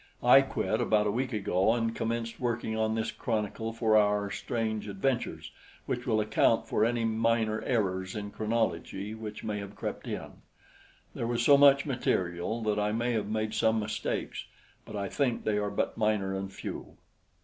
I quit about a week ago and commenced working on this chronicle for our strange adventures, which will account for any minor errors in chronology which may have crept in; there was so much material that I may have made some mistakes, but I think they are but minor and few.